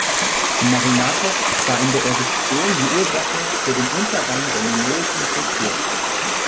Marinatos sah in der Eruption die Ursache für den Untergang der Minoischen Kultur.